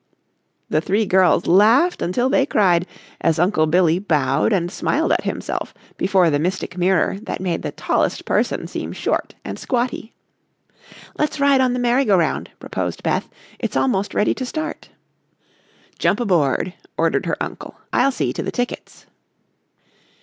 The three girls laughed until they cried, as Uncle Billy bowed and smiled at himself before the mystic mirror that made the tallest person seem short and squatty. "Let's ride on the merry go round," proposed Beth; "it's almost ready to start." "Jump aboard," ordered her uncle, "I'll see to the tickets."